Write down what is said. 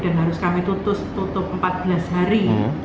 dan harus kami tutup empat belas hari